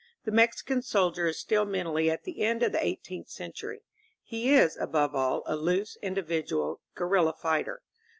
The Mexican soldier is still mentally at the end of the eigh teenth century. He is, above all, a loose, individual, guerrilla fighter.